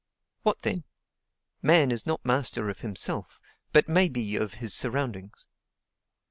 What then? Man is not master of himself, but may be of his surroundings.